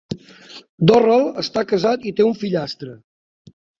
Dorrel està casat i té un fillastre.